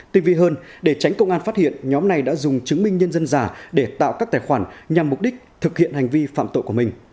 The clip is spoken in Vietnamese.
tinh vi hơn để tránh công an phát hiện nhóm này đã dùng chứng minh nhân dân giả để tạo các tài khoản nhằm mục đích thực hiện hành vi phạm tội của mình